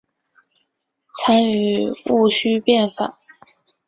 参与戊戌变法。